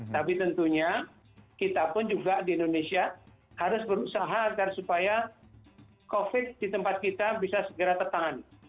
tapi tentunya kita pun juga di indonesia harus berusaha agar supaya covid di tempat kita bisa segera tertahan